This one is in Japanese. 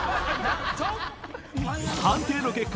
・判定の結果